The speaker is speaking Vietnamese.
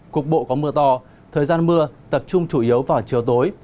cục bộ có mưa to thời gian mưa tập trung chủ yếu vào chiều tối